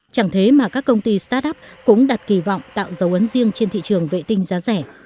chẳng thế mà các công ty start up cũng đặt kỳ vọng tạo dấu ấn riêng trên thị trường vệ tinh giá rẻ